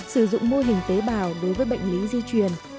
sử dụng mô hình tế bào đối với bệnh lý di truyền